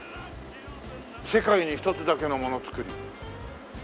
「世界に一つだけのものつくり」